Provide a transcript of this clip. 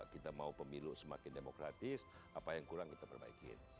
kita mau pemilu semakin demokratis apa yang kurang kita perbaikin